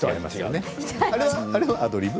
あれはアドリブ？